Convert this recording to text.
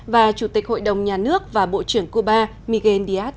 và chủ tịch hội đồng nhà nước và bộ trưởng cuba miguel díaz